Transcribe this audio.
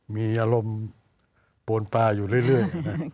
มีอารมณ์ปวนปลาอยู่เรื่อย